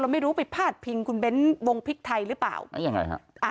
แล้วไม่รู้ไปพาดพิงคุณเบ้นท์วงพลิกไทยหรือเปล่ายังไงครับอ่า